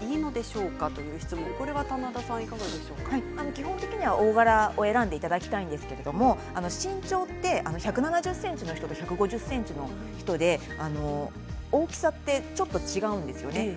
基本的には大柄を選んでいただきたいんですけど身長って１７０ｃｍの人と１５０ｃｍの人で大きさってちょっと違うんですよね。